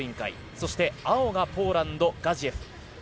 そして青がポーランドガジエフ。